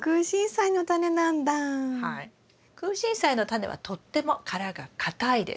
クウシンサイのタネはとっても殻が硬いです。